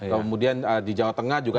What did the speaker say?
kemudian di jawa tengah juga